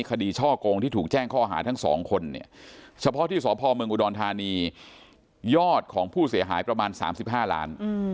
ช่อกงที่ถูกแจ้งข้อหาทั้งสองคนเนี่ยเฉพาะที่สพเมืองอุดรธานียอดของผู้เสียหายประมาณ๓๕ล้าน